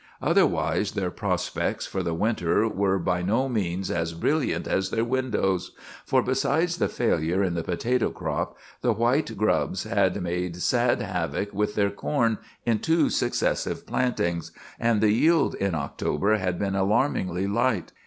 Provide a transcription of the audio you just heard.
Otherwise their prospects for the winter were by no means as brilliant as their windows; for besides the failure in the potato crop, the white grubs had made sad havoc with their corn in two successive plantings, and the yield in October had been alarmingly light.